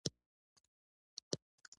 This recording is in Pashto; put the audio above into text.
خور له خپلو رازونو سره صادقه ده.